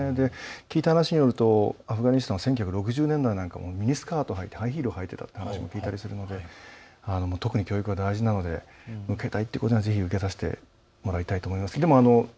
聞いた話によるとアフガニスタンは１９６０年代なんかもミニスカートはいてハイヒール履いてたなんていう話も聞くので特に教育は大事なので、ぜひ受けたいというなら受けさせてあげたいと思います。